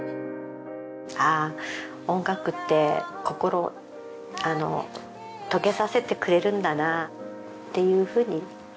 ああ音楽って心を解けさせてくれるんだなっていうふうに。